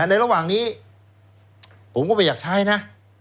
ในระหว่างนี้ผมก็ไม่อยากใช้นะ